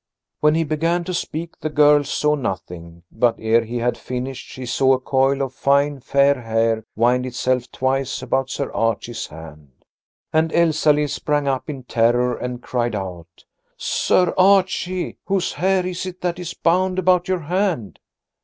When he began to speak the girl saw nothing, but ere he had finished she saw a coil of fine, fair hair wind itself twice about Sir Archie's hand. And Elsalill sprang up in terror and cried out: "Sir Archie, whose hair is it that is bound about your hand?"